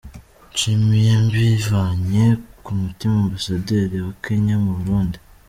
Nshimiye mbivanye ku mutima Ambasaderi wa Kenya mu Burundi.